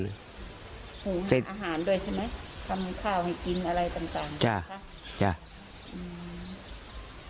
อาหารด้วยใช่ไหม